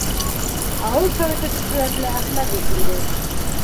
Ауыл Советы председателе Әхмәҙи килде.